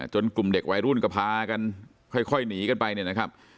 จนกลุ่มเด็กวัยรุ่นกระพากันค่อยหนีกันไปนะครับ